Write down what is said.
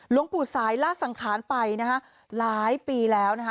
หลวงปู่สายลาดสังขารไปนะฮะหลายปีแล้วนะคะ